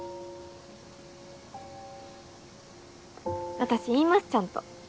私言いますちゃんと。